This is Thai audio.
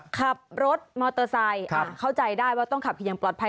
ขับรถมอเตอร์ไซค์เข้าใจได้ว่าต้องขับอยู่อย่างปลอดภัย